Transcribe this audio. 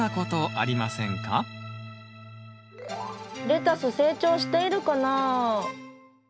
レタス成長しているかな？